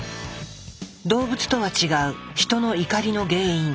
動物とは違うヒトの怒りの原因。